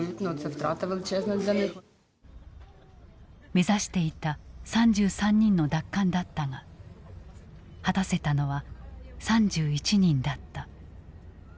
目指していた３３人の奪還だったが果たせたのは３１人だった。